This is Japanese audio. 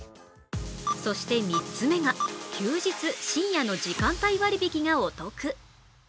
そして３つ目が休日、深夜の時間帯割引がお得。